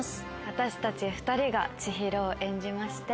私たち２人が千尋を演じまして。